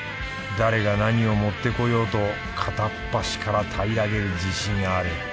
誰が何を持ってこようと片っ端から平らげる自信ある